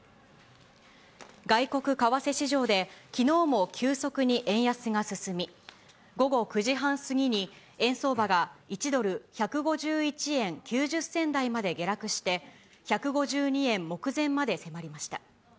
外国為替市場できのうも急速に円安が進み、午後９時半過ぎに、円相場が１ドル１５１円９０銭台まで下落して、１５２円目前まで迫りました。